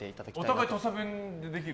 お互い土佐弁でできる？